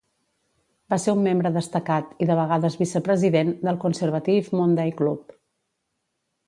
Va ser un membre destacat, i de vegades vice-President, del Conservative Monday Club.